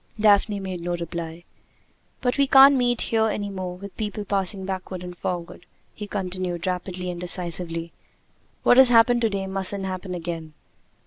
Daphne made no reply. "But we can't meet here any more with people passing backward and forward!" he continued rapidly and decisively. "What has happened to day mustn't happen again."